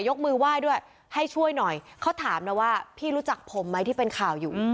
ยกมือไหว้ด้วยให้ช่วยหน่อยเขาถามนะว่าพี่รู้จักผมไหมที่เป็นข่าวอยู่